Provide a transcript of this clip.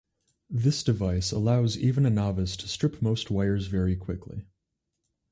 This device allows even a novice to strip most wires very quickly.